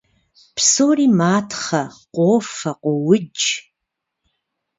Псори матхъэ, къофэ, къуоудж…